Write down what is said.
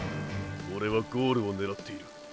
オレはゴールを狙っている。